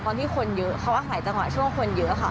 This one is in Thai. คนที่คนเยอะเขาอาศัยจังหวะช่วงคนเยอะค่ะ